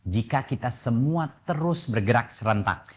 jika kita semua terus bergerak serentak